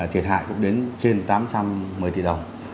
thiệt hại cũng đến trên tám trăm một mươi tỷ đồng